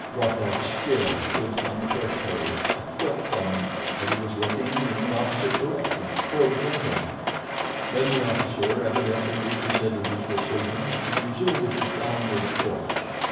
Rokoff still stood on the threshold a foot from him, but he was looking in the opposite direction, toward Gernois. Then the officer evidently reconsidered his decision, and resumed his downward course.